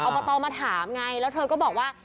อบตมาถามไงแล้วเธอก็บอกว่า